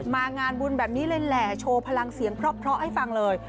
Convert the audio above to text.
งานบุญแบบนี้เลยแหล่โชว์พลังเสียงเพราะให้ฟังเลย